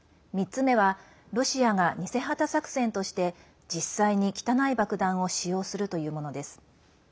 ３つ目はロシアが偽旗作戦として実際に汚い爆弾を使用するというものです。